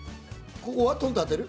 ここはトンっと当てる？